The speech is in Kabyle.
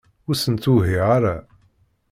Ur sent-ttwehhiɣ ara.